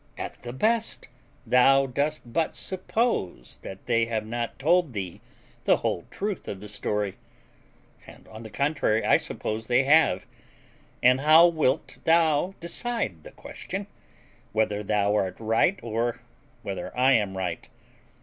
At the best, thou dost but suppose that they have not told thee the whole truth of the story; and, on the contrary, I suppose they have; and how wilt thou decide the question, whether thou art right or whether I am right?